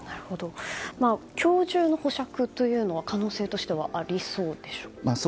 今日中の保釈というのは可能性としてありそうですか。